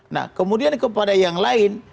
nah kemudian kepada yang lain